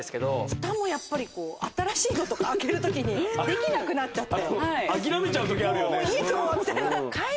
ふたも新しいのとか開けるときにできなくなっちゃって。